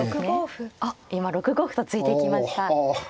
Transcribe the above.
あっ今６五歩と突いていきました。